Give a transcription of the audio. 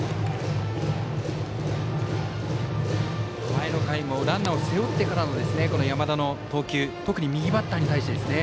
前の回もランナーを背負ってからの山田の投球特に右バッターに対してですね。